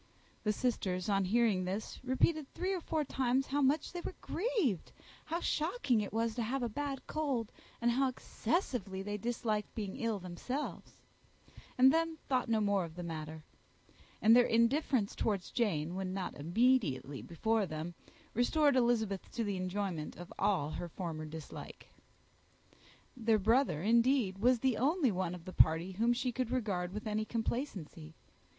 The sisters, on hearing this, repeated three or four times how much they were grieved, how shocking it was to have a bad cold, and how excessively they disliked being ill themselves; and then thought no more of the matter: and their indifference towards Jane, when not immediately before them, restored Elizabeth to the enjoyment of all her original dislike. Their brother, indeed, was the only one of the party whom she could regard with any complacency.